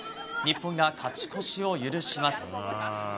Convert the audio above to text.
日本が勝ち越しを許します。